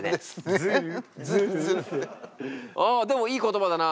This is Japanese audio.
あでもいい言葉だな。